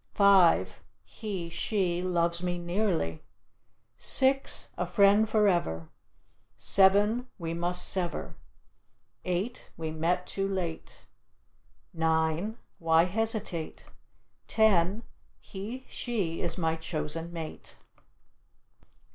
Five he (she) loves me nearly. Six a friend forever. Seven we must sever. Eight we met too late. Nine why hesitate. Ten he (she) is my chosen mate.